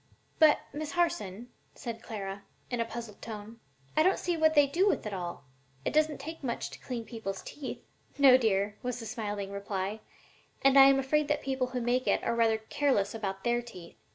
"But, Miss Harson," said Clara, in a puzzled tone, "I don't see what they do with it all. It doesn't take much to clean people's teeth." "No, dear," was the smiling reply, "and I am afraid that the people who make it are rather careless about their teeth.